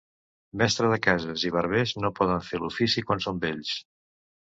Mestre de cases i barbers no poden fer l'ofici quan són vells.